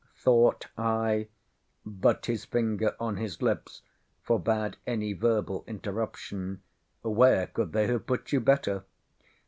Thought I—but his finger on his lips forbade any verbal interruption—"where could they have put you better?"